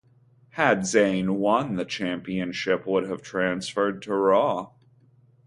Had Zayn won, the championship would have transferred to Raw.